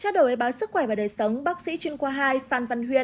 trao đổi báo sức khỏe và đời sống bác sĩ chuyên qua hai phan văn huyền